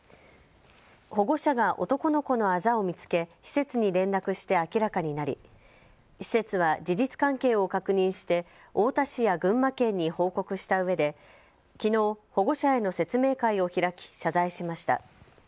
保護者が男の子のあざを見つけ施設に連絡して明らかになり施設は事実関係を確認して太田市や群馬県に報告したうえできのう保護者への説明会を開き謝罪しました。